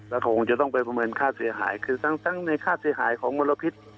คงจะต้องไปประเมินค่าเสียหายคือทั้งในค่าเสียหายของมลพิษ